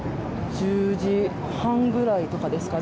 １０時半ぐらいとかですかね